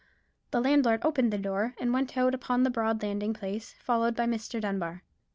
The landlord opened the door, and went out upon the broad landing place, followed by Mr. Dunbar.